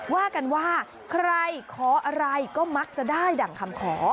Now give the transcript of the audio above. ว่ากันว่าใครขออะไรก็มักจะได้ดั่งคำขอ